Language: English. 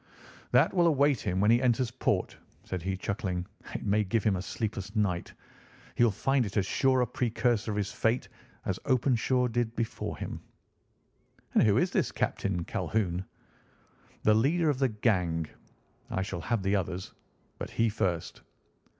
"That will await him when he enters port," said he, chuckling. "It may give him a sleepless night. He will find it as sure a precursor of his fate as Openshaw did before him." "And who is this Captain Calhoun?" "The leader of the gang. I shall have the others, but he first."